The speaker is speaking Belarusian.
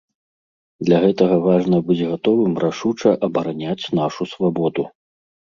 Для гэтага важна быць гатовым рашуча абараняць нашу свабоду.